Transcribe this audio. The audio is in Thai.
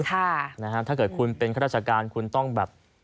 ถ้าเกิดคุณเป็นข้าราชการคุณต้องแบบ